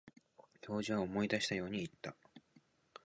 教授は思い出したように言った。